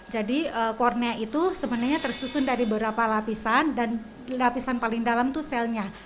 jadi kornea itu sebenarnya tersusun dari beberapa lapisan dan lapisan paling dalam itu selnya